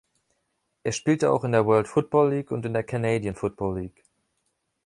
Er spielte auch in der World Football League und der Canadian Football League.